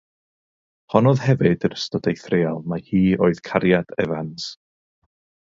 Honnodd hefyd yn ystod ei threial mai hi oedd cariad Evans.